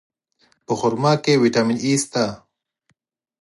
په خرما کې ویټامین E شته.